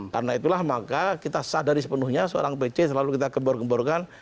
karena itulah maka kita sadari sepenuhnya seorang pj selalu kita gembor gemborkan